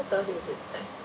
絶対。